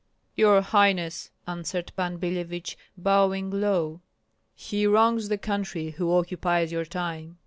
"Your highness," answered Pan Billevich, bowing low, "he wrongs the country who occupies your time."